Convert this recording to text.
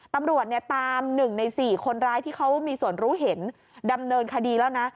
ตำรวจเนี่ยตาม๑ใน๔คนร้ายที่เขามีส่วนรู้เห็นดำเนินคดีแล้วนะ